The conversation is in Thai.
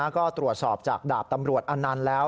ก็ตรวจสอบจากดาบตำรวจอนันต์แล้ว